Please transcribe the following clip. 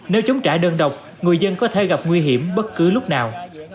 nếu chống trả đơn độc người dân có thể gặp nguy hiểm bất cứ lúc nào